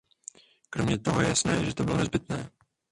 Kromě toho je jasné, že to bylo nezbytné.